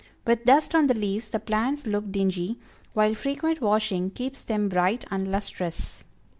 With dust on the leaves the plants look dingy, while frequent washing keeps them bright and lustrous.